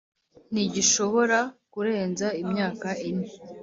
Ntigishobora Kurenza Imyaka Ine